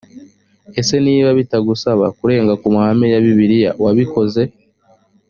ese niba bitagusaba kurenga ku mahame ya bibiliya wabikoze